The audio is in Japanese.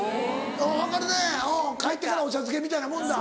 分かるね帰ってからお茶漬けみたいなもんだ。